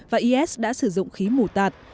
và is đã sử dụng khí mù tạt